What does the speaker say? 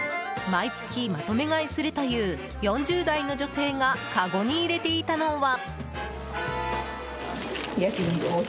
毎月まとめ買いするという４０代の女性がかごに入れていたのは。